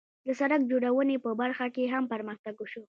د سړک جوړونې په برخه کې هم پرمختګ وشو.